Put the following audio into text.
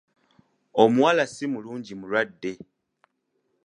Omuwala si mulungi mulwadde!